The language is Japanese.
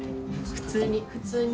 普通に普通に。